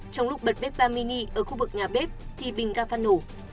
trong lúc bật bếp ga mini ở khu vực nhà bếp thì bình ga phát nổ